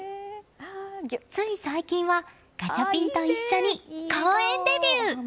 つい最近はガチャピンと一緒に公園デビュー！